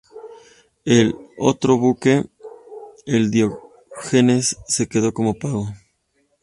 El otro buque, el Diógenes, se quedó como pago.